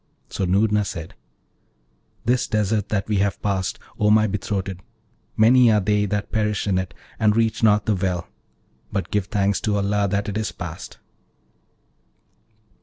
So Noorna, said, 'This desert that we have passed, O my betrothed, many are they that perish in it, and reach not the well; but give thanks to Allah that it is passed.'